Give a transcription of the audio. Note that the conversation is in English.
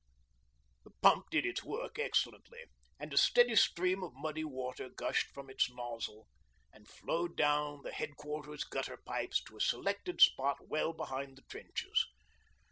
The pump did its work excellently, and a steady stream of muddy water gushed from its nozzle and flowed down the Headquarters gutter pipes to a selected spot well behind the trenches.